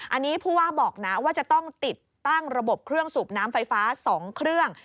อันนี้ผู้ว่าบอกนะว่าจะต้องติดตั้งระบบเครื่องสูบน้ำไฟฟ้า๒เครื่อง